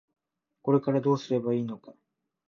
これからどうすればいいのか。